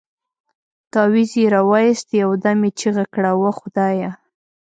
تاويز يې راوايست يو دم يې چيغه کړه وه خدايه.